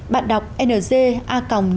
bạn đọc nga org vn